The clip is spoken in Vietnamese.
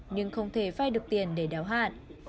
nhưng không thể phai được tiền để đéo hạn